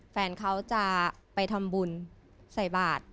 แฟนเขาจะไปทำบุญใส่บาท